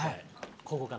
ここから。